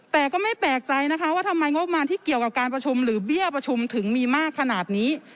แต่ก็ไม่แปลกใจนะคะว่าทำไมงบประมาณที่เกี่ยวกับการประชุมหรือเบี้ยประชุมถึงมีมากขนาดนี้